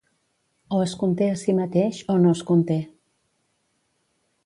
O es conté a si mateix o no es conté.